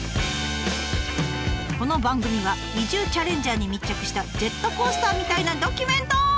この番組は移住チャレンジャーに密着したジェットコースターみたいなドキュメント！